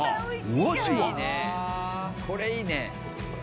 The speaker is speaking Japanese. お味は？